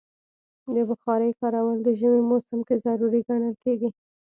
د بخارۍ کارول د ژمي موسم کې ضروری ګڼل کېږي.